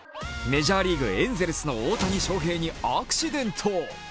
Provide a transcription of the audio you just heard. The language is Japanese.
メジャーリーグ、エンゼルスの大谷翔平にアクシデント。